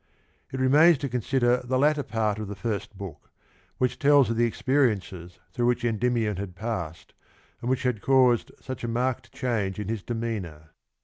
It remains to consider the latter part of the first book, JlSdenS. ^vhich tells of the experiences through which Endymion ^( had passed and which had caused such a marked change in his demeanour.